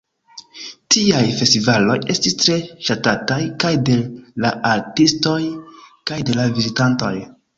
Tiaj festivaloj estis tre ŝatataj kaj de la artistoj kaj de la vizitantoj.